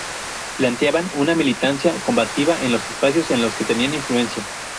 Planteaban una militancia combativa en los espacios en los que tenía influencia.